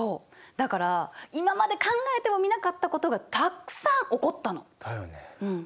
だから今まで考えてもみなかったことがたくさん起こったの。だよね。